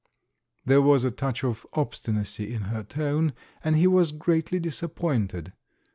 There was a touch of obstinacy in her tone, and he was greatly disappointed.